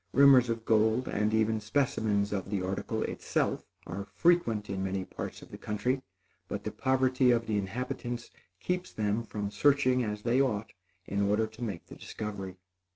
Rumors of gold, and even specimens of the article itself, are frequent in many parts of the country; but the poverty of the inhabitants keeps them from searching as they ought in order to make the discovery.